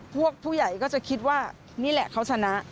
ผู้ใหญ่ก็จะคิดว่านี่แหละเขาชนะ